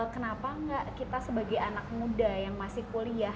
kenapa enggak kita sebagai anak muda yang masih kuliah